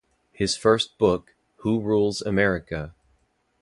His first book, Who Rules America?